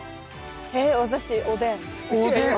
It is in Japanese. えっ私おでん。